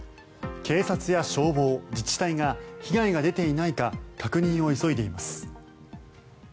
警察や消防、自治体が被害が出ていないか確認を急いでいます。